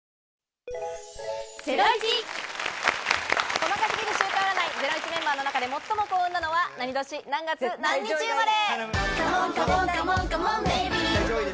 細かすぎる週間占い『ゼロイチ』メンバーの中で最も幸運なのは何年、何月、何日生まれ！